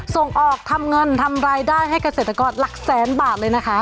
ส่งออกทำเงินทำรายได้ให้เกษตรกรหลักแสนบาทเลยนะคะ